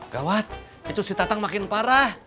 gawat itu si tatang makin parah